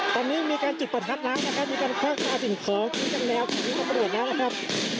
ตอนนี้มีการจุดปฏิภัทรัพย์นะครับมีการเคลือดของวัดสินเขานี้จากแนวที่นี่มันเปิดแล้วนะครับ